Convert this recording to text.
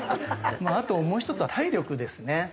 まああともう１つは体力ですね。